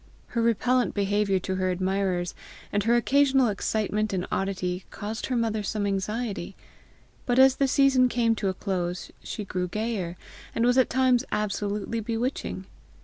Her repellent behaviour to her admirers, and her occasional excitement and oddity, caused her mother some anxiety, but as the season came to a close, she grew gayer, and was at times absolutely bewitching.